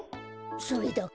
それだけ？